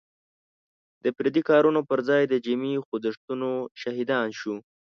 د فردي کارونو پر ځای د جمعي خوځښتونو شاهدان شو.